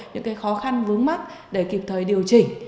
những khó khăn vướng mắt để kịp thời điều chỉnh